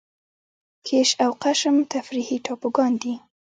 کیش او قشم تفریحي ټاپوګان دي.